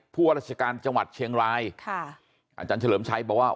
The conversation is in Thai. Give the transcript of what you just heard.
ว่าราชการจังหวัดเชียงรายค่ะอาจารย์เฉลิมชัยบอกว่า